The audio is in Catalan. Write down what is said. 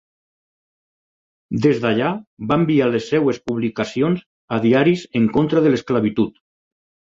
Des d'allà, va enviar les seves publicacions a diaris en contra de l'esclavitud.